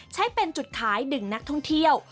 ใช้เป็นจุดขายดึงนักท่องเที่ยว